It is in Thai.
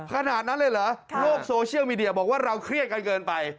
ขนาดนั้นเลยเหรอโลกโซเชียลมีเดียบอกว่าเราเครียดกันเกินไป